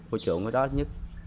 ưa chuộng cái đó nhất